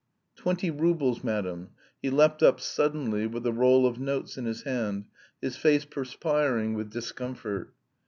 "Twenty roubles, madam." He leapt up suddenly with the roll of notes in his hand, his face perspiring with discomfort.